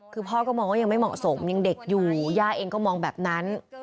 คือพ่อก็มองว่ายังไม่เหมาะสมยังเด็กอยู่ย่าเองก็มองแบบนั้น